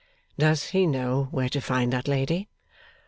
'Does he know where to find that lady?